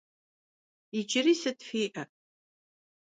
Yicıri sıt fi'e?